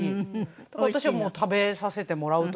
だから私は食べさせてもらうという。